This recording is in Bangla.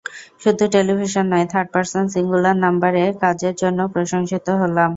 শুধু টেলিভিশন নয়, থার্ড পারসন সিঙ্গুলার নাম্বার-এ কাজের জন্যও প্রশংসিত হলাম।